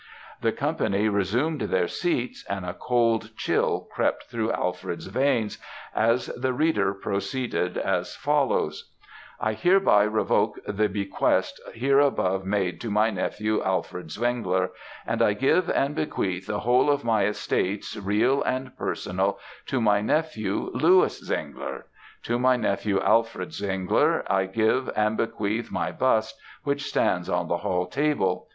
"The company resumed their seats, and a cold chill crept through Alfred's veins, as the reader proceeded as follows: "'I hereby revoke the bequest hereabove made to my nephew Alfred Zwengler, and I give and bequeath the whole of my estates, real and personal, to my nephew, Louis Zwengler. To my nephew, Alfred Zwengler, I give and bequeath my bust, which stands on the hall table.